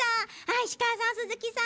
石川さん、鈴木さん